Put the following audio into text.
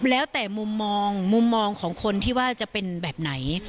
แล้วแต่มุมมองมุมมองของคนที่ว่าจะเป็นแบบไหน